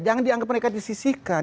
jangan dianggap mereka tersisihkan